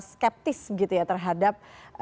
skeptis gitu ya terhadap